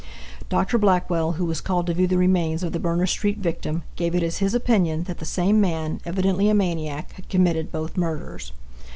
Dr. Blackwell, who was called to view the remains of the Berners street victim, gave it as his opinion that the same man, evidently a maniac, had committed both murders.